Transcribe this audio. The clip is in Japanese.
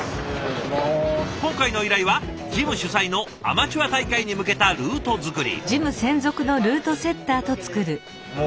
今回の依頼はジム主催のアマチュア大会に向けたルート作り。